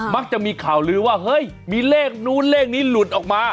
มักจะมีข่าวลือว่าเฮ้ยมีเลขนู้นเลขนี้หลุดออกมา